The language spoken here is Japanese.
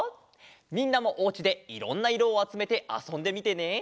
みんなもおうちでいろんないろをあつめてあそんでみてね。